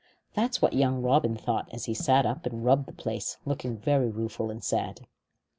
That is what young Robin thought as he sat up and rubbed the place, looking very rueful and sad.